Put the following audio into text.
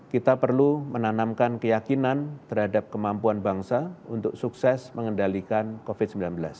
kita perlu menanamkan keyakinan terhadap kemampuan bangsa untuk sukses mengendalikan covid sembilan belas